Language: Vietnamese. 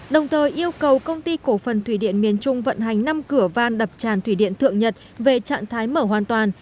đồng thời yêu cầu công ty cổ phần thủy điện miền trung vận hành năm cửa van đập tràn thủy điện thượng nhật về trạng thái mở hoàn toàn